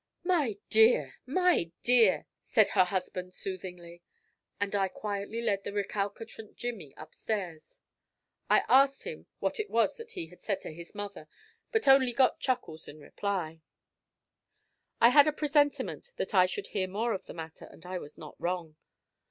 "My dear! My dear!" said her husband soothingly, and I quietly led the recalcitrant Jimmy upstairs. I asked him what it was that he had said to his mother, but got only chuckles in reply. I had a presentiment that I should hear more of the matter; and I was not wrong.